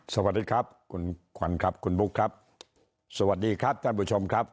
สวัสดีครับคุณขวัญครับคุณบุ๊คครับสวัสดีครับท่านผู้ชมครับ